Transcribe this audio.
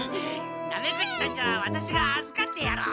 ナメクジたちはワタシがあずかってやろう。